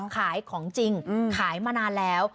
ขายของจริงขายมานานแล้ว